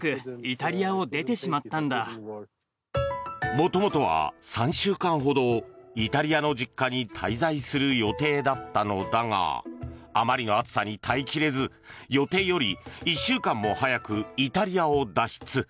元々は３週間ほどイタリアの実家に滞在する予定だったのだがあまりの暑さに耐え切れず予定より１週間も早くイタリアを脱出。